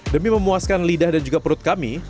demi memuaskan lidah dan juga perut kami